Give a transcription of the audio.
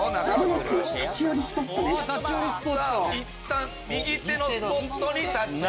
いったん右手のスポットに立ち寄ります。